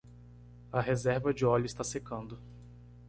A reserva de óleo está secando.